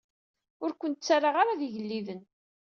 Ur ken-ttaraɣ ara d igellilen.